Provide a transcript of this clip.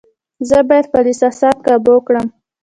زه باید خپل احساسات قابو کړم.